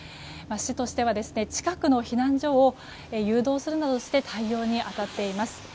市としては、近くの避難所に誘導するなどして対応に当たっています。